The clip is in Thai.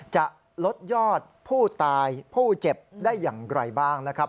จะลดยอดผู้ตายผู้เจ็บได้อย่างไรบ้างนะครับ